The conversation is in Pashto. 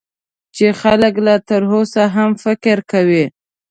چې خلک لا تر اوسه هم فکر کوي .